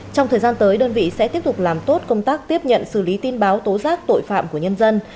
trong thời gian tới đơn vị sẽ tiếp tục làm tốt công tác tiếp nhận xử lý tin báo tố giác tội phạm của nhân dân